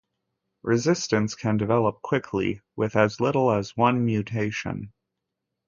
Resistance can develop quickly with as little as one mutation.